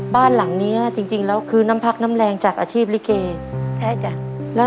บ้านหลังนี้จริงแล้วคือน้ำพักน้ำแรงจากอาชีพลิเกใช่จ้ะ